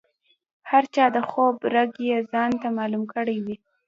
هر چا د خوب رګ یې ځانته معلوم کړی وي.